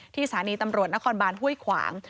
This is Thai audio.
ที่สารีตำรวจนครบานหุ้ยขวาง